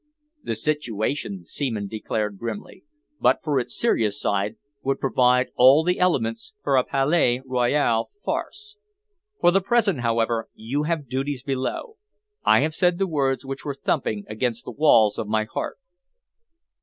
"The situation," Seaman declared grimly, "but for its serious side, would provide all the elements for a Palais Royal farce. For the present, however, you have duties below. I have said the words which were thumping against the walls of my heart."